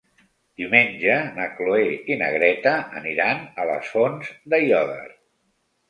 Diumenge na Cloè i na Greta aniran a les Fonts d'Aiòder.